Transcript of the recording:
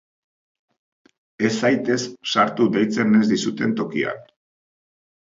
Ez zaitez sartu deitzen ez dizuten tokian.